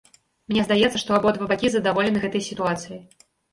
Мне здаецца, што абодва бакі задаволены гэтай сітуацыяй.